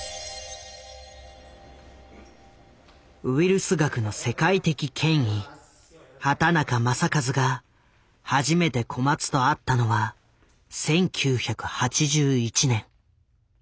ウイルス学の世界的権威畑中正一が初めて小松と会ったのは１９８１年。